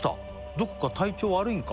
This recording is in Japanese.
どこか体調悪いんか」